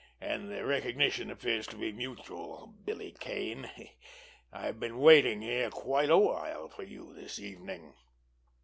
And the recognition appears to be mutual—Billy Kane! I've been waiting here quite a while for you this evening."